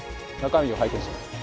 中身を拝見しても？